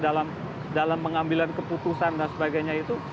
dalam pengambilan keputusan dan sebagainya itu